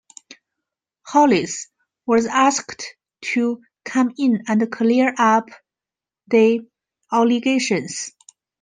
Hollis was asked to come in and clear up the allegations.